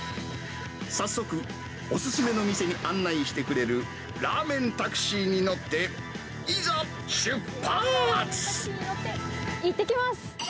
早速、お勧めの店に案内してくれるラーメンタクシーに乗って、いってきます。